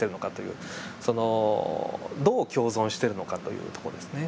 そのどう共存しているのかというとこですね。